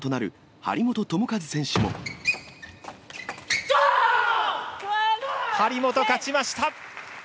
張本、勝ちました。